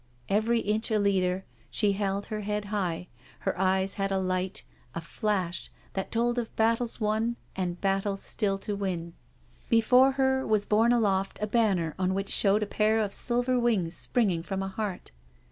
Every inch a leader, she held her head high, her eyes had a light, a flash, that told of battles won and battles still to win. Before her was borne aloft a banner on which showed a pair of silver wings springing from a heart.